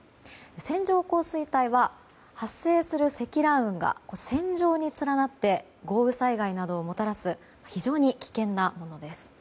線状降水帯は発生する積乱雲が線状に連なって豪雨災害などをもたらす非常に危険なものです。